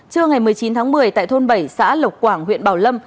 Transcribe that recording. trưa ngày một mươi chín tháng một mươi tại thôn bảy xã lộc quảng huyện bảo lâm